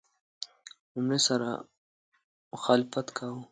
لومړي سره مخالفت کاوه.